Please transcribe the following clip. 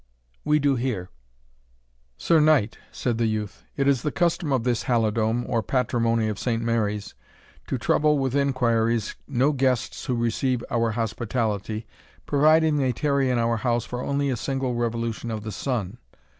we do hear." "Sir Knight," said the youth, "it is the custom of this Halidome, or patrimony of St. Mary's, to trouble with inquiries no guests who receive our hospitality, providing they tarry in our house only for a single revolution of the sun.